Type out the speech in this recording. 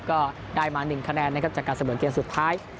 ก็ได้มา๑คะแนนนะครับจากการเสมอเกมสุดท้าย